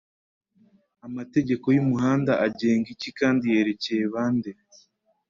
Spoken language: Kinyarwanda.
amategeko y' umuhanda agenga iki kandi yerekeye bande